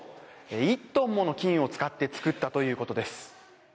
１トンもの金を使って作ったということです。